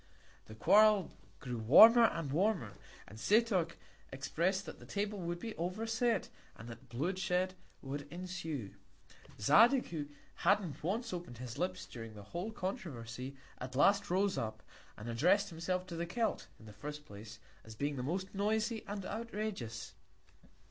The Quarrel grew warmer and warmer, and Setoc expected that the Table would be overset, and that Blood shed would ensue. Zadig, who hadn't once open'd his Lips during the whole Controversy, at last rose up, and address'd himself to the Celt, in the first Place, as being the most noisy and outrageous.